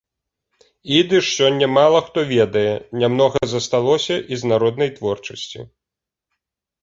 Ідыш сёння мала хто ведае, нямнога засталося і з народнай творчасці.